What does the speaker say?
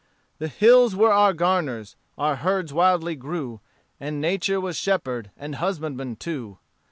The hills were our garners our herds wildly grew And Nature was shepherd and husbandman too.